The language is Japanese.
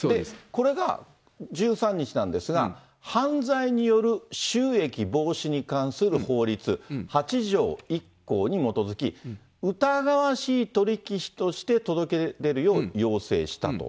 これが１３日なんですが、犯罪による収益防止に関する法律８条１項に基づき、疑わしい取り引きとして届け出るよう要請したと。